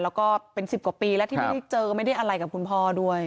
แล้วก็เป็น๑๐กว่าปีแล้วที่ไม่ได้เจอไม่ได้อะไรกับคุณพ่อด้วย